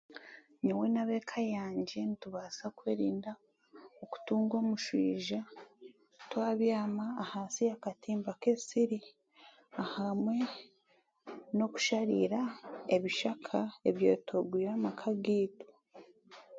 Nyowe n'abeeka yangye nitubaasa kwerinda okutunga omuswija twabyama ahansi y'akatimba k'ensiri ahamwe n'okusharira ebishaka ebyotogwire amaka gaitu